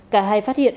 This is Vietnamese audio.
cả hai phát hiện